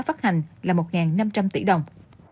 phát hành là một năm trăm linh tỷ đồng